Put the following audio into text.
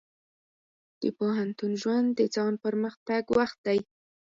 د پوهنتون ژوند د ځان پرمختګ وخت دی.